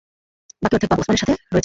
বাকি অর্ধেক আবু উসমানের সাথে রয়েছে।